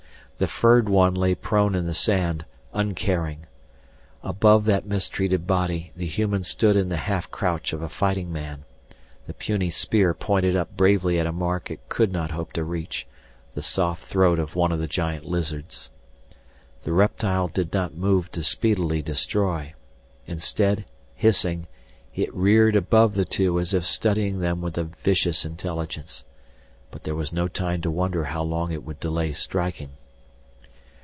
The furred one lay prone in the sand, uncaring. Above that mistreated body, the human stood in the half crouch of a fighting man, the puny spear pointed up bravely at a mark it could not hope to reach, the soft throat of one of the giant lizards. The reptile did not move to speedily destroy. Instead, hissing, it reared above the two as if studying them with a vicious intelligence. But there was no time to wonder how long it would delay striking.